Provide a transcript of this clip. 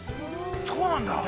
そうなんだ。